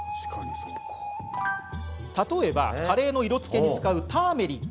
例えば、カレーの色づけに使うターメリック。